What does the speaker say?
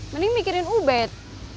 mending mikirin ubed